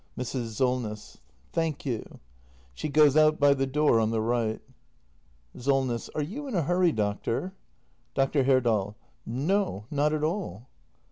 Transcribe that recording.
Mrs. Solness. Thank you. [Site goes out by the door on the right. Solness. Are you in a hurry, doctor ? Dr. Herdal. No, not at all.